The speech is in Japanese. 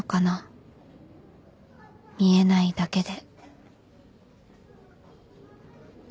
見えないだけで